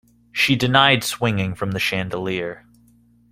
She denied swinging from the chandelier.